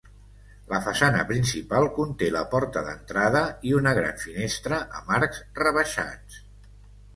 La façana principal conté la porta d'entrada i una gran finestra amb arcs rebaixats.